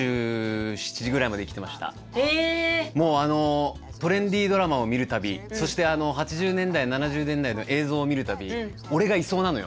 もうトレンディードラマを見る度そして８０年代７０年代の映像を見る度俺がいそうなのよ。